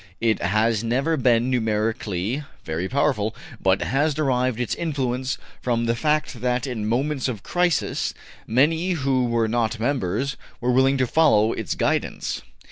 It has never been numerically very powerful, but has derived its influence from the fact that in moments of crisis many who were not members were willing to follow its guidance.